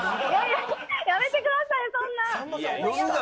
やめてください、そんな。